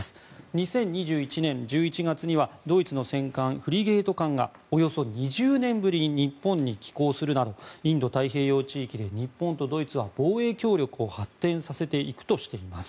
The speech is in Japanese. ２０２１年１１月にはドイツの戦艦、フリゲート艦がおよそ２０年ぶりに日本に寄港するなどインド太平洋地域で日本とドイツは防衛協力を発展させていくとしています。